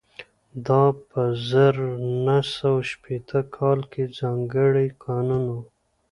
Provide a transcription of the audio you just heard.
دا په زر نه سوه شپېته کال کې ځانګړی قانون و